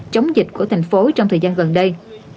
chống dịch của thành phố trong thời gian gần đây